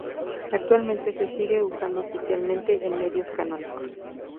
Actualmente se sigue usando oficialmente en medios canónicos.